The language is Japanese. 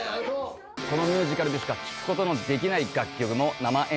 このミュージカルでしか聞くことのできない楽曲も生演奏されるんです。